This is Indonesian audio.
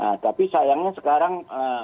nah tapi sayangnya sekarang